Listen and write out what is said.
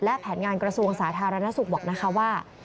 และแผนงานกระทรวงสาธารณสุขบอกนะคะว่า